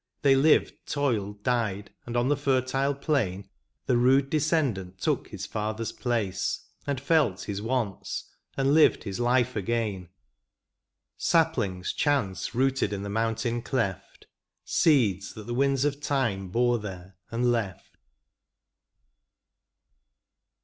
They lived, toiled, died, and on the fertile plain The rude descendent took his father s place, And felt his wants, and lived his life again : Saplings chance rooted in the mountain cleft. Seeds that the winds of time bore there and left.